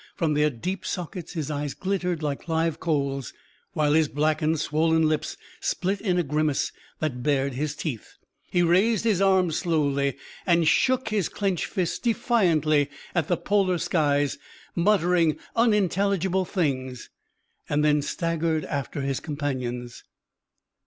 From their deep sockets his eyes glittered like live coals, while his blackened, swollen lips split in a grimace that bared his teeth. He raised his arms slowly and shook his clenched fists defiantly at the Polar skies, muttering unintelligible things, then staggered after his companions.